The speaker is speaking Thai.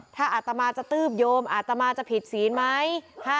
ถ้าอาตมาจะตืบโยมอาตมาจะผิดศีลไหม